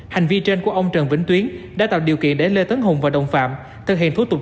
hành vi trên của ông trần vĩnh tuyến đã tạo điều kiện để lê tấn hùng và đồng phạm thực hiện thủ tục